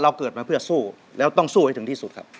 เกิดมาเพื่อสู้แล้วต้องสู้ให้ถึงที่สุดครับ